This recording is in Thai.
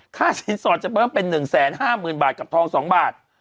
ค่าสินสอดจะเพิ่มเป็น๑๕๐๐๐บาทกับทอง๒บาท